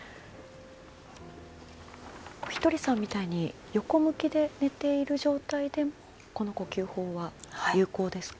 ひとりさんみたいに横向きで寝ている状態でもこの呼吸法は有効ですか？